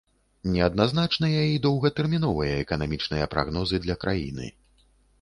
Неадназначныя і доўгатэрміновыя эканамічныя прагнозы для краіны.